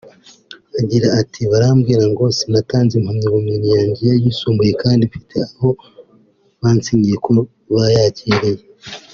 Agira ati “Barambwira ngo sinatanze impamyabumenyi yanjye y’ayisumbuye kandi mfite aho bansinyiye ko bayakiriye